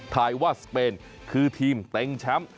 ถ่ายว่าสเปนคือทีมเต็งแชมป์